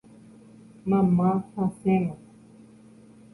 Mama hasẽma.